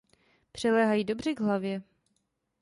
Přiléhají dobře k hlavě.